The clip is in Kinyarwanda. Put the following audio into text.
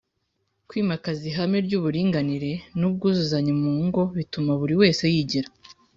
kwimakaza ihame ry’uburinganire n’ubwuzuzanye mu ngo bituma buri wese yigira